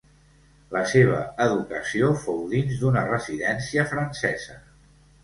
La seva educació fou dins d'una residència francesa.